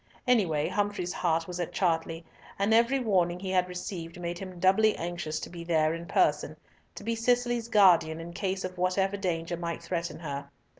Any way, Humfrey's heart was at Chartley, and every warning he had received made him doubly anxious to be there in person, to be Cicely's guardian in case of whatever danger might threaten her.